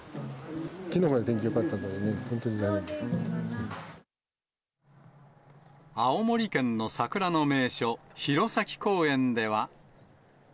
きのうまで天気よかったんだ青森県の桜の名所、弘前公園では。